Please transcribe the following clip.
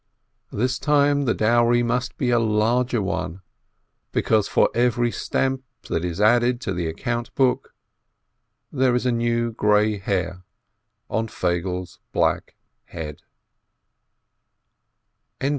This time the dowry must be a larger one, because for every stamp that is added to the account book there is a new grey hair on Feigele's black head.